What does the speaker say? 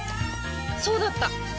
そうだった！